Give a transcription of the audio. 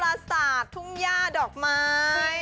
รถม้าปราสาททุ่มหญ้าดอกไม้